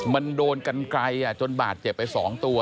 มันโดนกันไกลจนบาดเจ็บไป๒ตัว